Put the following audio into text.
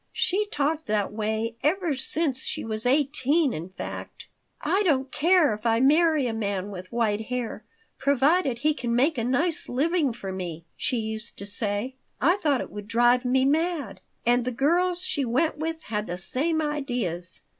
She talked that way ever since she was eighteen, in fact. 'I don't care if I marry a man with white hair, provided he can make a nice living for me,' she used to say. I thought it would drive me mad. And the girls she went with had the same ideas.